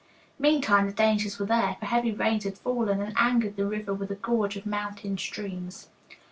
Meantime the dangers were there, for heavy rains had fallen and angered the river with a gorge of mountain streams.